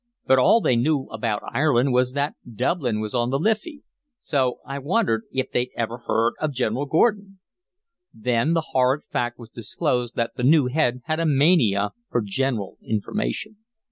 But all they knew about Ireland was that Dublin was on the Liffey. So I wondered if they'd ever heard of General Gordon." Then the horrid fact was disclosed that the new head had a mania for general information.